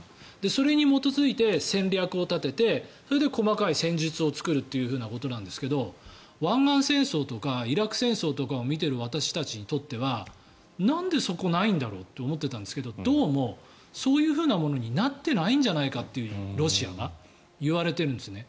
それに基づいて戦略を立ててそれで細かい戦術を作るということなんですが湾岸戦争とか、イラク戦争とかを見ている私たちにとってはなんでそこ、ないんだろうと思っていたんですけどどうも、そういうふうなものにロシアはなってないんじゃないかといわれているんですね。